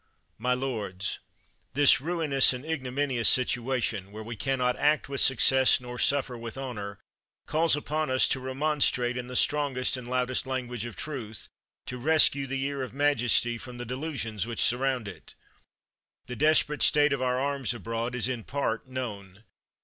My lords, this ruinous and ignominious sit uation, where we can not act with success, nor suffer with honor, calls upon us to remonstrate in the strongest and loudest language of truth, to rescue the ear of majesty from the delusions which surround it. The desperate state of our arms abroad is in part known.